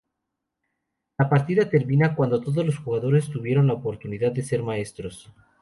La partida termina cuando todos los jugadores tuvieron la oportunidad de ser Maestros.